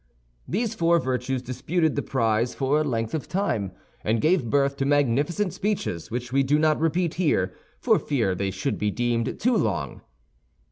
These four virtues disputed the prize for a length of time, and gave birth to magnificent speeches which we do not repeat here for fear they should be deemed too long.